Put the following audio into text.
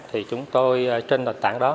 thì chúng tôi trên đoàn tảng đó